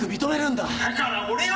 だから俺は！